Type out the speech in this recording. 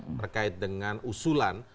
berkait dengan usulan